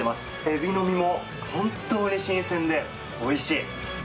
エビの身も新鮮でおいしい。